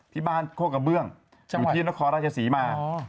ที่บ้านโคกกระเบื้องอยู่ที่นครราชศรีมา